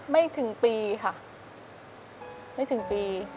ไม่ถึงปีค่ะไม่ถึงปี